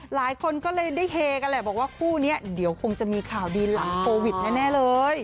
หลายคนก็เลยได้เฮกันแหละบอกว่าคู่นี้เดี๋ยวคงจะมีข่าวดีหลังโควิดแน่เลย